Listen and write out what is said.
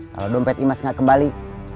kalau dompet imas nggak kembali